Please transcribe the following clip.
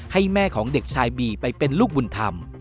ให้แม่ของเด็กชายบีไปเป็นลูกบุญธรรม